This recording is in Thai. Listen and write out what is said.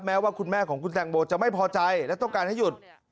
ว่าคุณแม่ของคุณแตงโมจะไม่พอใจและต้องการให้หยุด